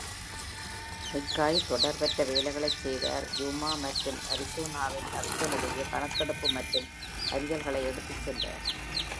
McCoy தொடர்பற்ற வேலைகளைச் செய்தார், யூமா மற்றும் அரிசோனாவின் டக்சன் இடையே கணக்கெடுப்பு மற்றும் அஞ்சல்களை எடுத்துச் சென்றார்.